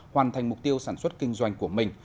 hoàn thành mục tiêu sản xuất kinh doanh của mình